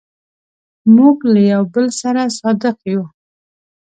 موږ له یو بل سره صادق یو.